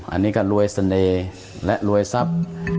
อันนี้ก็รวยเสน่ห์และรวยทรัพย์